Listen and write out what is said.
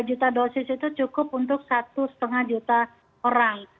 tiga juta dosis itu cukup untuk satu lima juta orang